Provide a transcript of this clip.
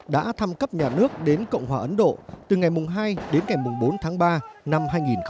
đã thăm cấp nhà nước đến cộng hòa ấn độ từ ngày hai đến ngày bốn tháng ba năm hai nghìn một mươi chín